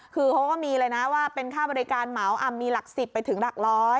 คือเขาก็มีเลยนะว่าเป็นค่าบริการเหมามีหลัก๑๐ไปถึงหลักร้อย